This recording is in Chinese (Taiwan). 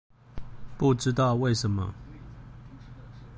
不知道為什麼